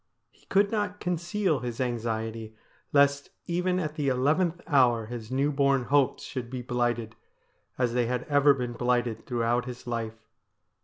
He could not conceal his anxiety lest even at the eleventh hour his new born hopes should be blighted, as they had ever been blighted throughout his life.